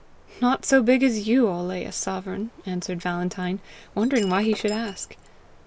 "Not so big as you, I'll lay you a sovereign," answered Valentine, wondering why he should ask.